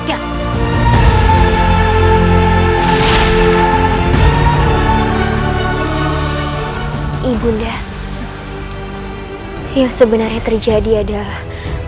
yang sebenarnya terjadi adalah